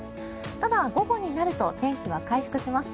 ただ、午後になると天気は回復します。